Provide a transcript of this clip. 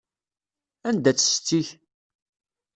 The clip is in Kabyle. Anda-tt setti-k?